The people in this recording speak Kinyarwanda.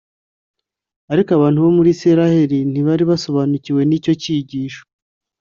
’ariko abantu bo mu Isiraheli ntibari barasobanukiwe n’icyo cyigisho.